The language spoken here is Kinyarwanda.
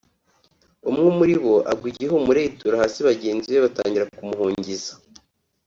umwe muri bo agwa igihumure yitura hasi bagenzi be batangira kumuhungiza